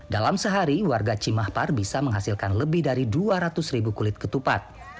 dalam sehari warga cimahpar bisa menghasilkan lebih dari dua ratus ribu kulit ketupat